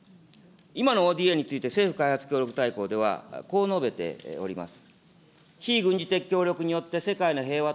今のＯＤＡについて政府開発大綱では、、こう述べております。